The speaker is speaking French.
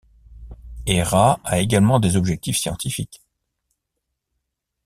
Hera a également des objectifs scientifiques.